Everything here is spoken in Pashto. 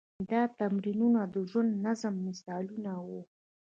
دا تمرینونه د ژوند د نظم مثالونه وو.